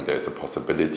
trong một cách đặc biệt